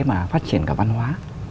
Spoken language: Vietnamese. mà phát triển cả văn hóa